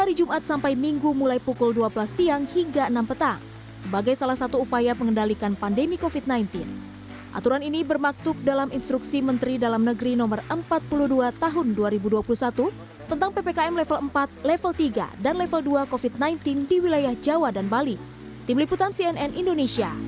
lohut mengingatkan pentingnya protokol kesehatan dan mewaspadai euforia pelonggaran